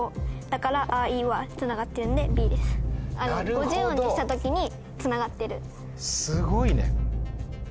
５０音にした時につながってる。